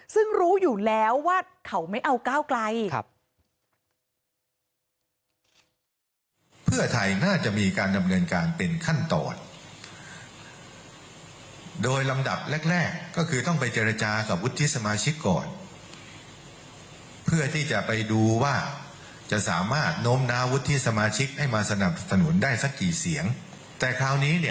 ซึ่งรู้อยู่แล้วว่าเขาไม่เอาก้าวไกล